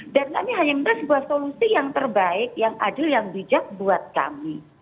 dan kami hanya memiliki sebuah solusi yang terbaik yang adil yang bijak buat kami